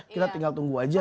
kita tinggal tunggu aja